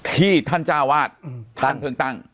ที่ท่านจ้าวาทกันแต่งตั้ง